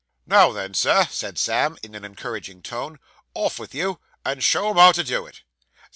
'Now, then, Sir,' said Sam, in an encouraging tone; 'off vith you, and show 'em how to do it.